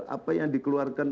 apa yang dikeluarkan